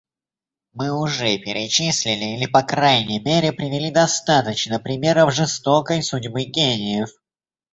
Мы уже перечислили или, по крайней мере, привели достаточно примеров жестокой судьбы гениев.